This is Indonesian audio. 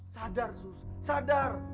sadar zuz sadar